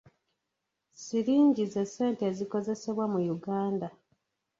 Siringi ze ssente ezikozesebwa mu Uganda.